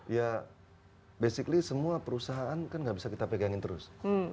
ya basically semua perusahaan kan nggak bisa kita pegangin terus